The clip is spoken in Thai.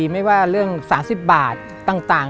ไม่ว่าเรื่อง๓๐บาทต่าง